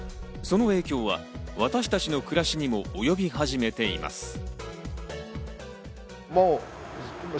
その影響は私たちの暮らしにも及び始めています。